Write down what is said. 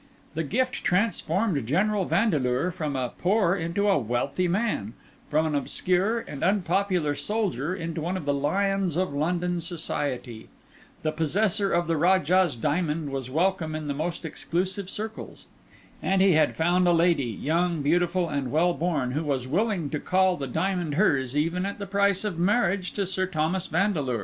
The gift transformed General Vandeleur from a poor into a wealthy man, from an obscure and unpopular soldier into one of the lions of London society; the possessor of the Rajah's Diamond was welcome in the most exclusive circles; and he had found a lady, young, beautiful, and well born, who was willing to call the diamond hers even at the price of marriage with Sir Thomas Vandeleur.